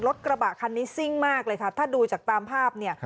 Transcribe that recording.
รถกระบะคันนี้ซิ่งมากเลยค่ะถ้าดูจากตามภาพเนี่ย